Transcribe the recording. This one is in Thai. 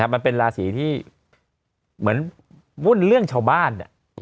มันเป็นราศีที่เหมือนวุ่นเรื่องชาวบ้าน